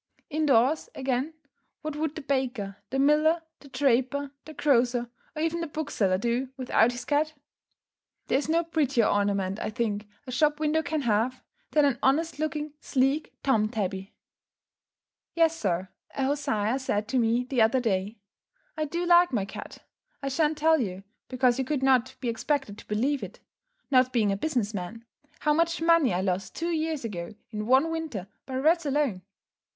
In doors, again, what would the baker, the miller, the draper, the grocer, or even the bookseller do, without his cat? There is no prettier ornament, I think, a shop window can have, than an honest looking sleek Tom tabby. "Yes, sir," a hosier said to me the other day; "I do like my cat. I shan't tell you, because you could not be expected to believe it, not being a business man, how much money I lost two years ago in one winter, by rats alone.